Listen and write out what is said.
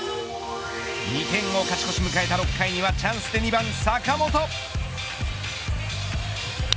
２点を勝ち越し迎えた６回にはチャンスで２番、坂本。